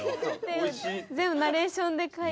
全部ナレーションで。